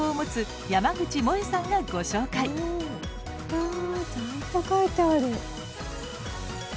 あちゃんと描いてある。